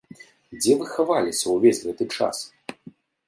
Дзе вы хаваліся ўвесь гэты час?